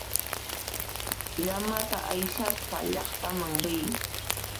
Llamata aysaspa llaqtaman riy.